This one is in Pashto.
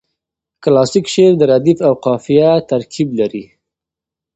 کلاسیک شعر د ردیف او قافیه ترکیب لري.